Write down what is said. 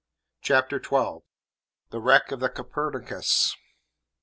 CHAPTER TWELVE. THE WRECK OF THE "COPERNICUS."